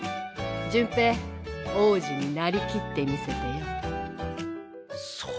潤平王子になりきってみせてよ。